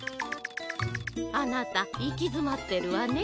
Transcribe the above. あなたいきづまってるわね。